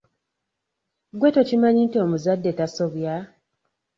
Gwe tokimanyi nti omuzadde tasobya?